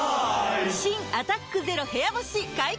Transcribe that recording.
新「アタックＺＥＲＯ部屋干し」解禁‼